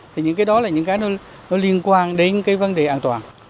thì những cái đó là những cái nó liên quan đến cái vấn đề an toàn